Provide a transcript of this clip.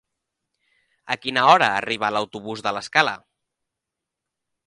A quina hora arriba l'autobús de l'Escala?